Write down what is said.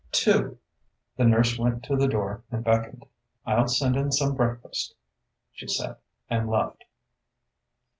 "Two." The nurse went to the door and beckoned. "I'll send in some breakfast," she said, and left.